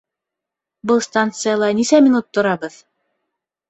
Был станцияла нисә минут торабыҙ?